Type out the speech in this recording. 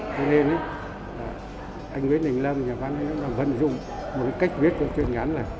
cho nên anh nguyễn đình lâm nhà văn nguyễn đình lâm vẫn dùng một cách viết của chuyện gắn là